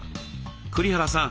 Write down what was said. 栗原さん